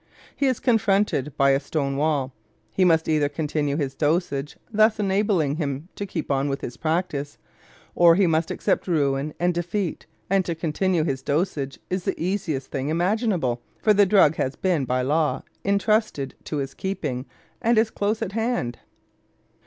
He is confronted by a stone wall. He must either continue his dosage, thus enabling him to keep on with his practice, or he must accept ruin and defeat; and to continue his dosage is the easiest thing imaginable, for the drug has been by law intrusted to his keeping and is close at hand.